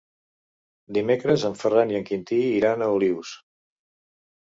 Dimecres en Ferran i en Quintí iran a Olius.